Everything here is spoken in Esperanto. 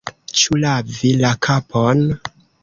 Ĉu lavi la kapon?